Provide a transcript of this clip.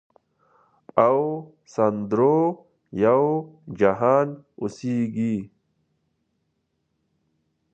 او سندرو یو جهان اوسیږې